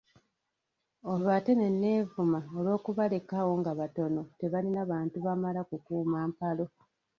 Olwo ate ne neevuma olw'okubaleka awo nga batono tebalina bantu bamala kukuuma mpalo.